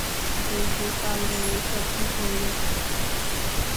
দেখবে কাল ভোরেই সব ঠিক হয়ে গেছে।